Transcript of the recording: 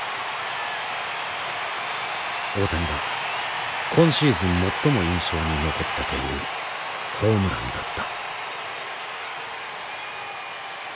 大谷が今シーズン最も印象に残ったというホームランだった。